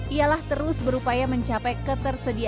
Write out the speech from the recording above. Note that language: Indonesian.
ialah terus berupaya mencapai ketersediaan